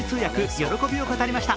喜びを語りました。